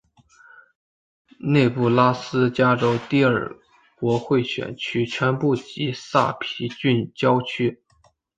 内布拉斯加州第二国会选区全部及萨皮郡郊区。